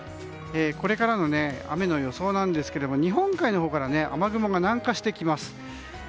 これからの雨の予想なんですが日本海のほうから雨雲が南下してきます。